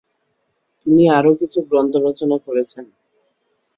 তিনি আরো কিছু গ্রন্থ রচনা করেছেন।